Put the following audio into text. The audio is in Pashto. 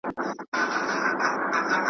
زه مرکز د دایرې یم زه هم کُل یم هم ا جزا یم .